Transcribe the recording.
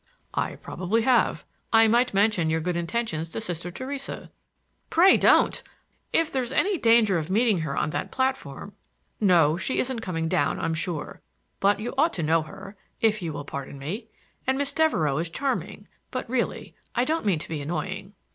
"I probably have. I might mention your good intentions to Sister Theresa." "Pray don't. If there's any danger of meeting her on that platform—" "No; she isn't coming down, I'm sure. But you ought to know her,—if you will pardon me. And Miss Devereux is charming,—but really I don't mean to be annoying."